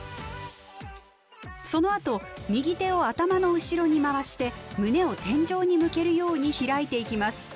そのあと右手を頭の後ろに回して胸を天井に向けるように開いていきます。